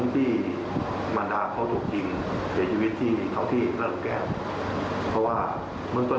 แต่ตอนนั้นก็ยังไม่ได้คิดถึงไอ้คดีของพี่มารดาเขาถูกจริง